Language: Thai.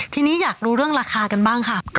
ทีนี้อยากรู้เรื่องราคากันบ้างค่ะ